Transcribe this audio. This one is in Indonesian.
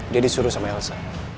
dia disuruh sama elsa